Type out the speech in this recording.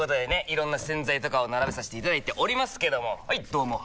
いろんな洗剤とかを並べさせていただいておりますけどもはいどうも！